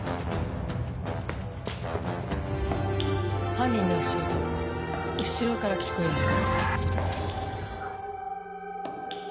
犯人の足音後ろから聞こえます。